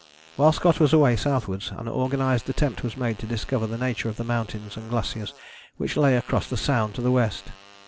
While Scott was away southwards an organized attempt was made to discover the nature of the mountains and glaciers which lay across the Sound to the west.